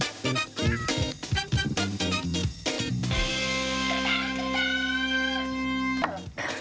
โอเค